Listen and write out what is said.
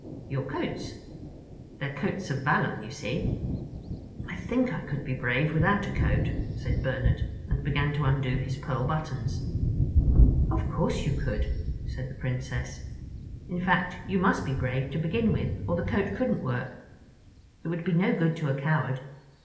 "Your coats. They're coats of valor, of course." "I think I could be brave without a coat," said Bernard, and began to undo his pearl buttons. "Of course you could," said the Princess. "In fact, you must be brave to begin with, or the coat couldn't work. It would be no good to a coward.